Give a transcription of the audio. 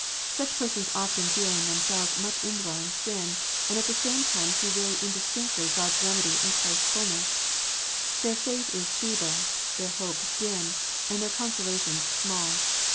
Such persons often feel in themselves much indwelling sin, and at the same time see very indistinctly God s remedy and Christ s fulness. Their faith is feeble, their hope dim, and their consolations small.